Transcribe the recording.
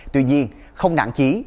tuy nhiên không nạn chí